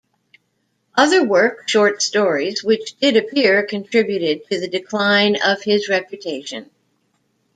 Other work, short stories, which did appear contributed to the decline of his reputation.